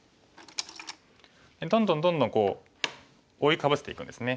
どんどんどんどん覆いかぶしていくんですね。